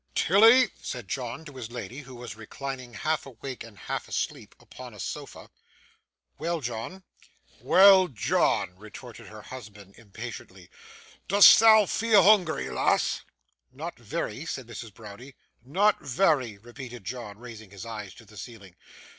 'Tilly!' said John to his lady, who was reclining half awake and half asleep upon a sofa. 'Well, John!' 'Well, John!' retorted her husband, impatiently. 'Dost thou feel hoongry, lass?' 'Not very,' said Mrs. Browdie. 'Not vary!' repeated John, raising his eyes to the ceiling.